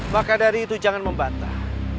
maka dari itu jangan membantah